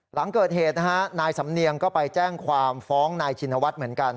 หลังเกิดเหตุนะฮะนายสำเนียงก็ไปแจ้งความฟ้องนายชินวัฒน์เหมือนกัน